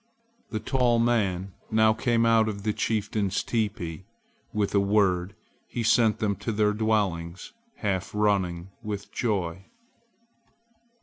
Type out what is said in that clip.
The tall man now came out of the chieftain's teepee. With a word he sent them to their dwellings half running with joy.